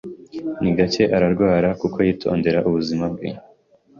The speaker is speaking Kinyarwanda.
Ni gake ararwara kuko yitondera ubuzima bwe.